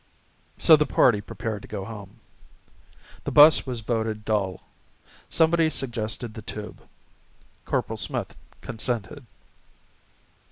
So the party prepared to go home. The bus was voted dull. Somebody suggested the tube. Corporal Smith consented.